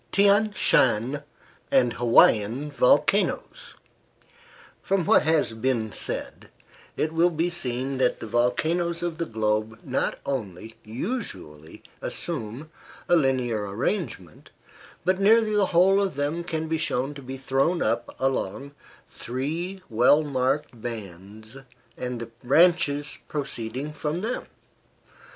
THIAN SHAN AND HAWAIIAN VOLCANOES From what has been said, it will be seen that the volcanoes of the globe not only usually assume a linear arrangement, but nearly the whole of them can be shown to be thrown up along three well marked bands and the branches proceeding from them.